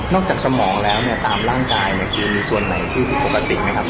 จากสมองแล้วเนี่ยตามร่างกายเนี่ยคือมีส่วนไหนที่ผิดปกติไหมครับ